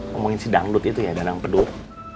ngomongin si dangdut itu ya danang peduh